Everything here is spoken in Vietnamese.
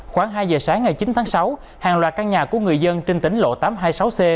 khoảng hai giờ sáng ngày chín tháng sáu hàng loạt căn nhà của người dân trên tính lộ tám trăm hai mươi sáu c